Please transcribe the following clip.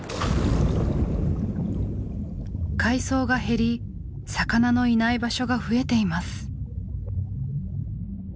海藻が減り魚のいない場所が増えています。